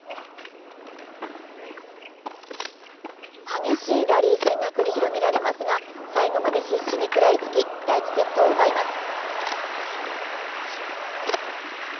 激しいラリー戦が繰り広げられますが、最後まで必死に食らいつき、第１セットを奪います。